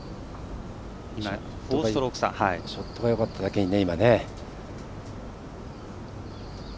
ショットがよかっただけにね。